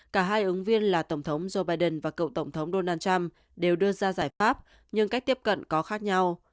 cả hai ứng viên là tổng thống joe biden và cựu tổng thống donald trump đều đưa ra giải pháp nhưng cách tiếp cận có khác nhau